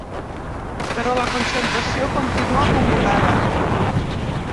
Però la concentració continua convocada.